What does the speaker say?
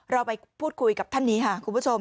เราไปพูดคุยกับท่านนี้ค่ะคุณผู้ชม